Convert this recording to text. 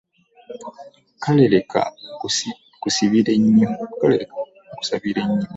Kale leka nkusabire nnyo.